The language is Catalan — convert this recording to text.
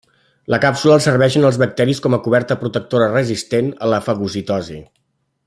La càpsula els serveixen als bacteris com a coberta protectora resistent a la fagocitosi.